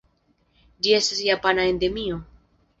Ĝi estas japana endemio.